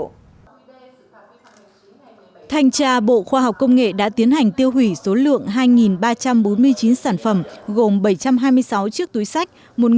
thành tra bộ khoa học công nghệ đã tiến hành tiêu hủy số lượng hai ba trăm bốn mươi chín sản phẩm gồm bảy trăm hai mươi sáu chiếc túi sách